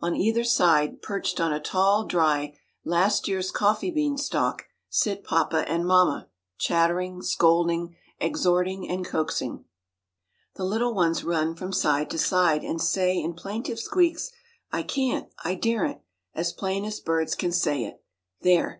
On either side, perched on a tall, dry, last year's coffee bean stalk, sit "papa and mamma," chattering, scolding, exhorting, and coaxing. The little ones run from side to side, and say in plaintive squeaks, "I can't," "I daren't," as plain as birds can say it. There!